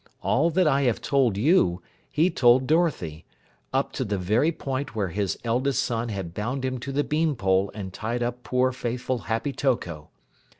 All that I have told you, he told Dorothy, up to the very point where his eldest son had bound him to the bean pole and tied up poor, faithful Happy Toko.